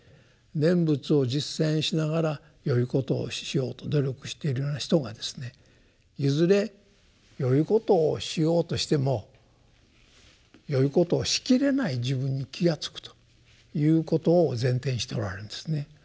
念仏を実践しながらよいことをしようと努力してるような人がですねいずれよいことをしようとしてもよいことをしきれない自分に気が付くということを前提にしておられるんですね。